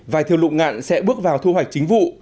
vải thiều lụng ngạn sẽ bước vào thu hoạch chính vụ